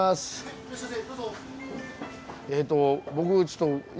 いらっしゃいませ。